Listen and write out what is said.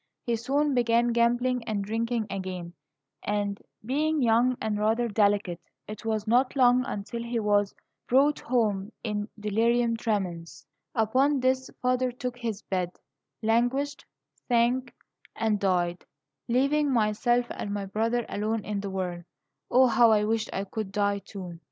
He soon began gambling and drinking again; and, being young and rather delicate, it was not long until he was brought home in delirium tremens. Upon this father took his bed, languished, sank, and died, leaving myself and my brother alone in the world. O, how I wished I could die, too!